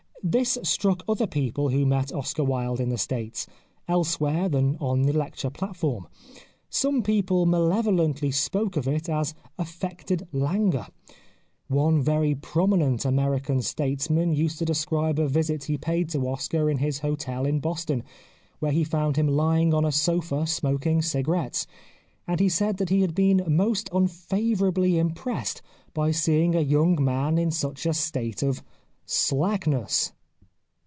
This struck other people who met Oscar Wilde in the States, elsewhere than on the lecture platform. Some people male volently spoke of it as affected languor : one very prominent American statesman used to describe a visit he paid to Oscar in his hotel in Boston, where he found him lying on a sofa smoking cigarettes, and he said that he had been most unfavourably impressed by seeing a young man in such a state of " slackness."